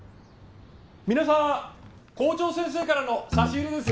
皆さん校長先生からの差し入れですよ。